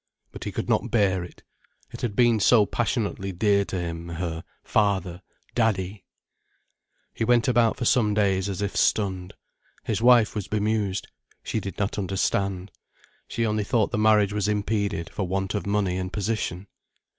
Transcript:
But he could not bear it. It had been so passionately dear to him, her "Father—Daddie." He went about for some days as if stunned. His wife was bemused. She did not understand. She only thought the marriage was impeded for want of money and position.